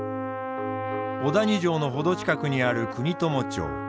小谷城の程近くにある国友町。